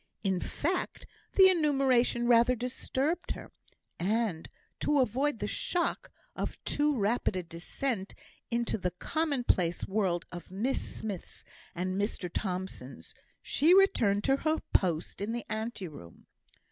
In fact, the enumeration rather disturbed her; and to avoid the shock of too rapid a descent into the commonplace world of Miss Smiths and Mr Thomsons, she returned to her post in the ante room.